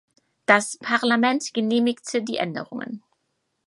Das Parlament genehmigte die Änderungen.